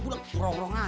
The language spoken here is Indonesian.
rorong aja bocah ya